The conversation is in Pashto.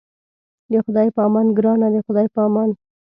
د خدای په امان ګرانه د خدای په امان.